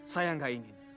saya tidak ingin